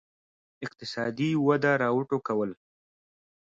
اقتصادي وده را وټوکول.